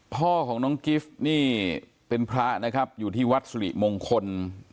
พ่อของน้องกิฟต์นี่เป็นพระนะครับอยู่ที่วัดสุริมงคล